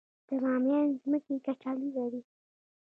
د بامیان ځمکې کچالو لري